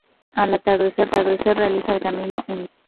Al atardecer realiza el camino inverso.